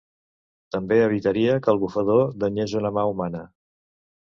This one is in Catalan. També evitaria que el bufador danyés una mà humana.